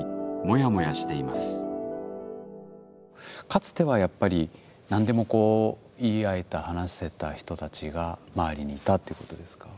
かつてはやっぱり何でも言い合えた話せた人たちが周りにいたってことですか？